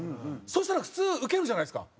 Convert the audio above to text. そしたら普通ウケるじゃないですか。